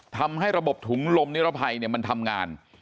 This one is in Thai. ทำให้ระบบถุงลมนิรภัยมันทำงาน